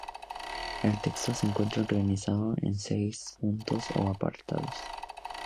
El texto se encuentra organizado en seis puntos o apartados.